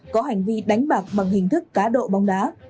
có hành vi đánh bạc bằng hình thức cá độ bóng đá